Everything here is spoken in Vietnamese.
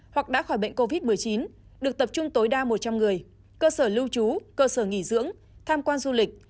hoặc đã khỏi bệnh covid một mươi chín được tập trung tối đa một trăm linh người cơ sở lưu trú cơ sở nghỉ dưỡng tham quan du lịch